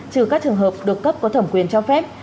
trừ các trường hợp được cấp có thẩm quyền cho phép